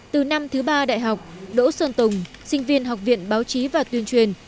từ năm thứ ba đại học đỗ xuân tùng sinh viên học viện báo chí và tuyên truyền